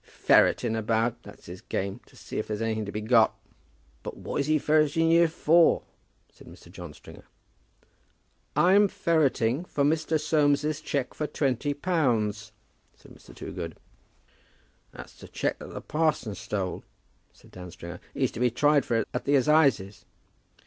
Ferreting about, that's his game; to see if there's anything to be got." "But what is he ferreting here for?" said Mr. John Stringer. "I'm ferreting for Mr. Soames's cheque for twenty pounds," said Mr. Toogood. "That's the cheque that the parson stole," said Dan Stringer. "He's to be tried for it at the 'sizes."